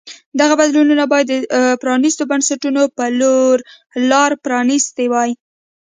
دغو بدلونونو باید د پرانیستو بنسټونو په لور لار پرانیستې وای.